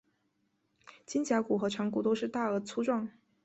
肩胛骨与肠骨都是大而粗壮。